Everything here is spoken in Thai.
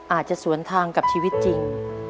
อาจจะสวนทางกับชีวิตจริง